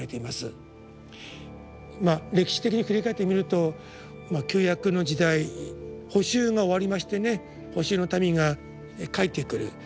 まあ歴史的に振り返ってみると「旧約」の時代「捕囚」が終わりましてね「捕囚」の民が帰ってくる。